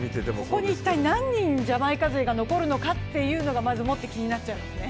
ここに一体何人、ジャマイカ勢が残るのかというのがまずもって気になっちゃいますね。